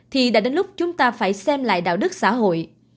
thì đã đến lúc chúng ta phải xem lại đạo đức xã hội